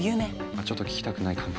あちょっと聞きたくないかも。